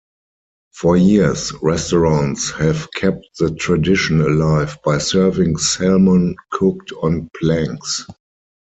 For years, restaurants have kept the tradition alive by serving salmon cooked on planks.